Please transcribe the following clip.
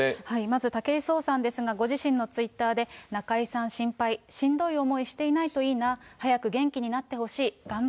まず武井壮さんですが、ご自身のツイッターで、中居さん心配、しんどい思いしていないといいなあ、早く元気になってほしい。